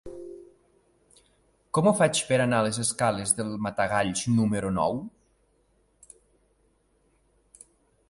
Com ho faig per anar a les escales del Matagalls número nou?